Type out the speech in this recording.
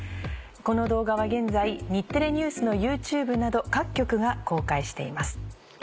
この動画は現在「日テレＮＥＷＳ」のＹｏｕＴｕｂｅなど各局が公開しています。